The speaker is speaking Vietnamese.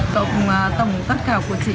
tổng tất cả của chị